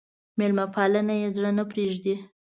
مېلمه پالنه يې زړه نه پرېږدي.